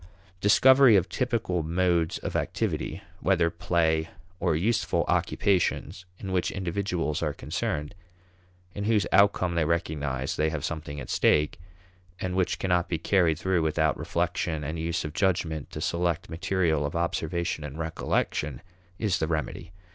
Discovery of typical modes of activity, whether play or useful occupations, in which individuals are concerned, in whose outcome they recognize they have something at stake, and which cannot be carried through without reflection and use of judgment to select material of observation and recollection, is the remedy.